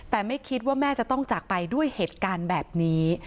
แต่ไม่คิดว่าแม่จะต้องจากไปด้วยเหตุการณ์แบบนี้